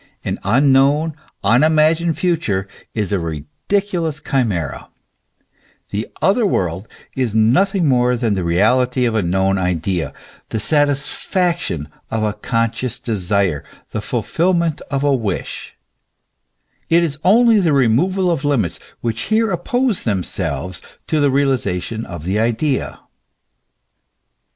An unknown, unimagined future is a ridiculous chimera : the other world is nothing more than the reality of a known idea, the satisfaction of a conscious desire, the fulfilment of a wish ;* it is only the re moval of limits which here oppose themselves to the realization of the idea.